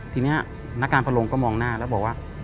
ทีนี้นักการพนมก็มองหน้าแล้วบอกว่า